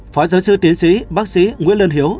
phó giáo sư tiến sĩ bác sĩ nguyễn lân hiếu